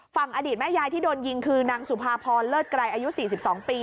ฝั่งอดีตแม่ยายที่โดนยิงคือนางสุภาพรเลิศไกรอายุ๔๒ปี